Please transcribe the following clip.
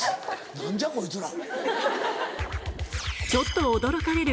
何じゃこいつら。